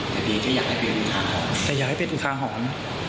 แต่อยากให้เป็นอุทาหรณ์